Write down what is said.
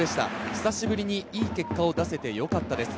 久しぶりにいい結果を出せてよかったです。